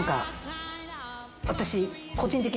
私。